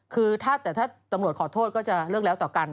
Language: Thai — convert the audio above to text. คือถ้าแต่ถ้าตำรวจขอโทษก็จะเลิกแล้วต่อกัน